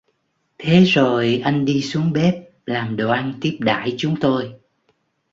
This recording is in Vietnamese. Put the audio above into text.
Thế rồi anh đi xuống bếp làm đồ ăn tiếp đãi chúng tôi